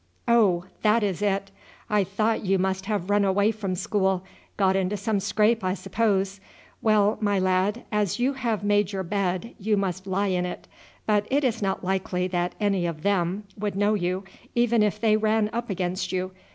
"Oh, that is it! I thought you must have run away from school; got into some scrape, I suppose. Well, my lad, as you have made your bed you must lie in it. But it is not likely that any of them would know you even if they ran up against you.